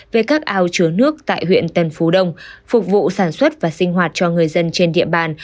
về các ao chứa nước tại huyện tân phú đông phục vụ sản xuất và sinh hoạt cho người dân trên địa bàn